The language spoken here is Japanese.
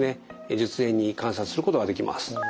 術前に観察することができます。